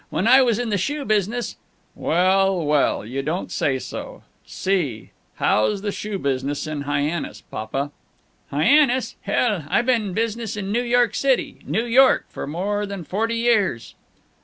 When I was in the shoe business " "Waal, waal, you don't say so, Si! Haow's the shoe business in Hyannis, papa?" "Hyannis, hell! I've been in business in New York City, New York, for more than forty years!"